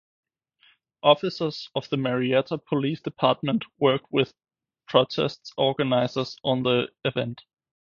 Officers of the Marietta Police Department worked with protest organizers on the event.